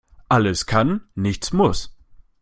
Alles kann, nichts muss.